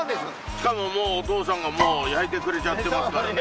しかももうお父さんがもう焼いてくれちゃってますからね。